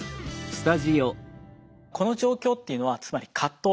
この状況っていうのはつまり葛藤ですね。